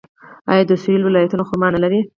آیا د سویل ولایتونه خرما نلري؟